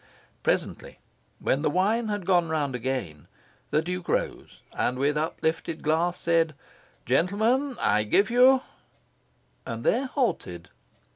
Presently, when the wine had gone round again, the Duke rose and with uplifted glass said "Gentlemen, I give you " and there halted.